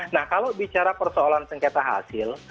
nah kalau bicara persoalan sengketa hasil